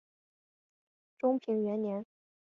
中平元年。